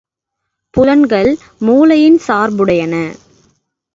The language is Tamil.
புலன்கள் மூளையின் சார்புடையன.